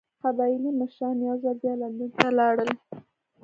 قبایلي مشران یو ځل بیا لندن ته لاړل.